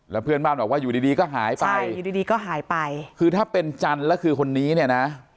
แล้วเพื่อนบ้านบอกว่าอยู่ดีก็หายไปคือถ้าเป็นจันนะคือคนนี้เนี่ยนะ